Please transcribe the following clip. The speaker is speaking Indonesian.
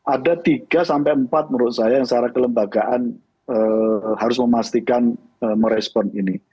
ada tiga sampai empat menurut saya yang secara kelembagaan harus memastikan merespon ini